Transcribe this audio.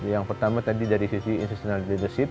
yang pertama tadi dari sisi institutional leadership